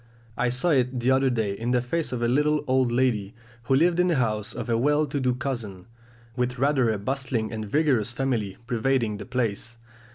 I saw it the other day in the face of a little old lady, who lived in the house of a well to do cousin, with rather a bustling and vigorous family pervading the place.